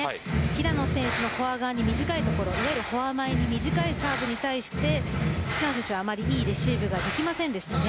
平野選手のフォア側に短い所いわゆるフォア前に短いサーブに対してあまりいいレシーブができませんでした。